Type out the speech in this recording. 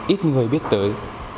ít người biết tới